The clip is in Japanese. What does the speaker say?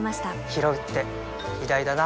ひろうって偉大だな